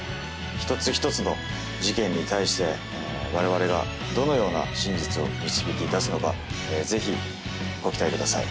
一つ一つの事件に対して我々がどのような真実を導き出すのか是非ご期待ください。